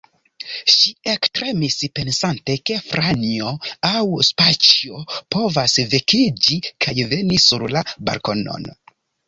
Ŝi ektremis pensante, ke Franjo aŭ Staĉjo povas vekiĝi kaj veni sur la balkonon.